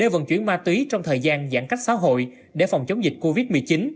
vận chuyển ma túy trong thời gian giãn cách xã hội để phòng chống dịch covid một mươi chín